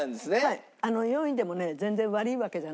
４位でもね全然悪いわけじゃないし。